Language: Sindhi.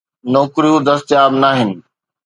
نوڪريون دستياب ناهن.